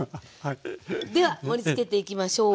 では盛りつけていきましょう。